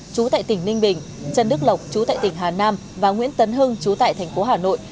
chú tại tỉnh ninh bình trần đức lộc chú tại tỉnh hà nam và nguyễn tấn hưng chú tại thành phố hà nội